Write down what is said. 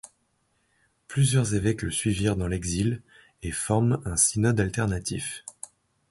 Plusieurs évêques le suivirent dans l'exil et forment un synode alternatif.